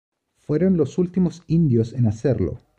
Fueron los últimos indios en hacerlo.